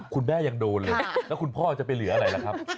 คุณแม่ยังโดนเลยแล้วคุณพ่อจะไปเหลืออะไรล่ะครับ